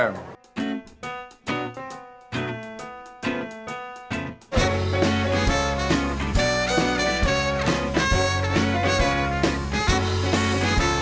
เอ๊ะบะหมี่ผัดนี่มันถ้าเป็นเมนูหรอ